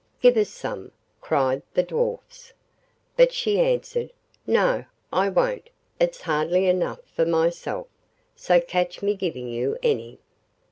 'Give us some,' cried the Dwarfs. But she answered: 'No, I won't, it's hardly enough for myself; so catch me giving you any.